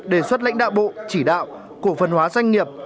đề xuất lãnh đạo bộ chỉ đạo cổ phần hóa doanh nghiệp